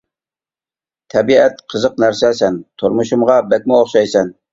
تەبىئەت قىزىق نەرسە سەن، تۇرمۇشۇمغا بەكمۇ ئوخشايسەن.